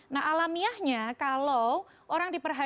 nah alamiahnya kalau orang diperhatikan